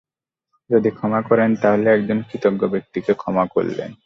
যদি ক্ষমা করেন, তাহলে একজন কৃতজ্ঞ ব্যক্তিকে ক্ষমা করলেন।